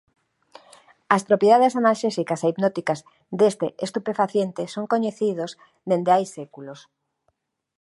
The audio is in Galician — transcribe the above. As propiedades analxésicas e hipnóticas deste estupefaciente son coñecidos dende hai séculos.